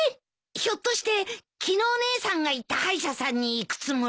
ひょっとして昨日姉さんが行った歯医者さんに行くつもり？